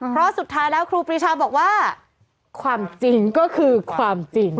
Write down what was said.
เพราะสุดท้ายแล้วครูปรีชาบอกว่าความจริงก็คือความจริง